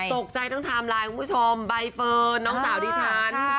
ตกใจทั้งไทม์ไลน์คุณผู้ชมใบเฟิร์นน้องสาวดิฉัน